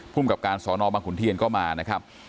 กับการสอนอบังขุนเทียนก็มานะครับ